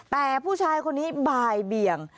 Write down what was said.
แต่ผู้ชายคนนี้บ่ายเบียง